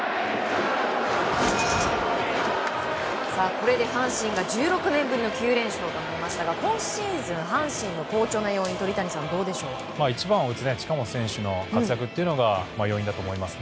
これで阪神が１６年ぶりの９連勝となりましたが今シーズン、阪神の好調な要因一番は近本選手の活躍というのが要因だと思います。